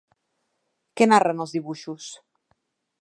Què narren els dibuixos?